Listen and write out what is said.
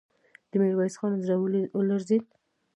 د ميرويس خان زړه ولړزېد.